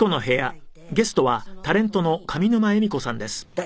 えっ。